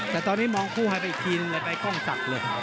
แต่ตอนนี้มองคู่หายไปอีกทีเลยไปกล้องสักเลย